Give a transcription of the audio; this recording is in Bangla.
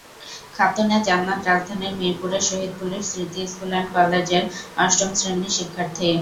খাতুনে জান্নাত রাজধানীর মিরপুরের Shaheed police Smriti school and কলেজের অষ্টম শ্রেণির শিক্ষার্থী।